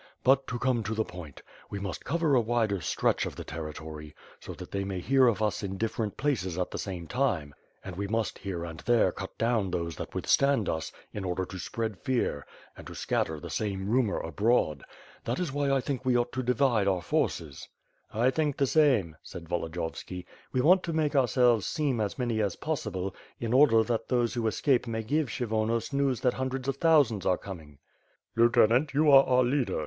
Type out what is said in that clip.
But, to come to the point. We must cover a wider stretch of the territory, so that they may hear of us in different places at the same time, and we must here and there cut down those that withstand us, in order to spread fear, and to scatter the same rumor abroad. That is why I think we ought to divide our forces. *T! think the same," said Volodiyovski. "We want to make ^j2 W'^^^ ^^^^^^^ SWORD. ourselves seem as many as possible, in order that those who escape may give Kshyvonos news that hundreds of thousands are coming." "Lieutenant, you are our leader.